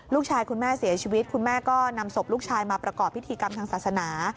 คุณแม่เสียชีวิตคุณแม่ก็นำศพลูกชายมาประกอบพิธีกรรมทางศาสนา